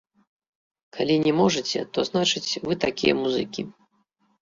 Калі не можаце, то, значыць, вы такія музыкі.